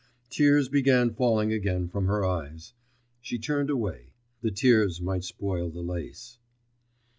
Tears began falling again from her eyes.... She turned away; the tears might spoil the lace.